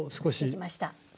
できました。